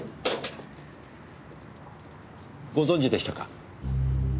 ご存じでしたか。